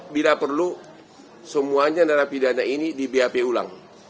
bila perlu semuanya narapidana ini di bap ulang